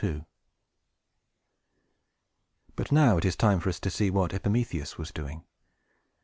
But it is now time for us to see what Epimetheus was doing.